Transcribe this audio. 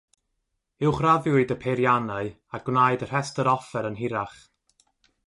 Uwchraddiwyd y peiriannau, a gwnaed y rhestr offer yn hirach.